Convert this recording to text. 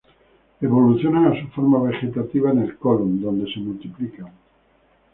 Evolucionan a su forma vegetativa en el colon, donde se multiplican.